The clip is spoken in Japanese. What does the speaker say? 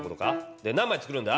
で何枚作るんだ？